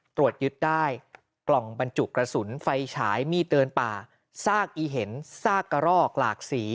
ตรวจยึดได้กล่องบรรจุกระสุนไฟฉายมีดเดินป่าซากอีเห็นซากกระรอกหลากสี